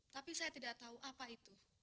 tapi saya tidak tahu apa itu